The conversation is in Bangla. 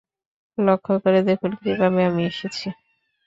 লক্ষ্য করে দেখুন, কিভাবে আমি এসেছি।